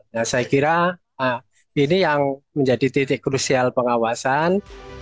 nah saya kira ini yang menjadi titik krusial pengawasan